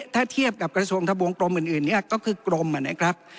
ถ้าเทียบกับกระทรวงทะบวงกรมอื่นเนี่ยก็คือกรมนะครับ